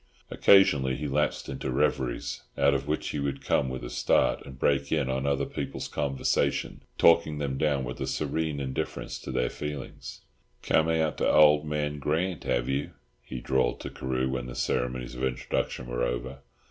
Occasionally he lapsed into reveries, out of which he would come with a start and break in on other people's conversation, talking them down with a serene indifference to their feelings. "Come out to old man Grant, have you?" he drawled to Carew, when the ceremonies of introduction were over.